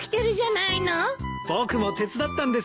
僕も手伝ったんですよ。